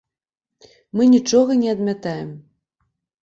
Мы нічога не адмятаем.